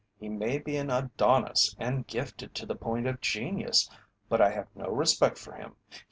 He may be an Adonis and gifted to the point of genius, but I have no respect for him.